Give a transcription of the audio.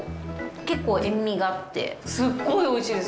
結構、塩味があって、すっごいおいしいです。